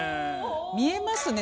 見えますね